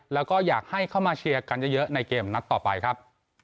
แล้วก็อยากให้เข้ามาเชียร์กันเยอะในเกมนัดต่อไปครับ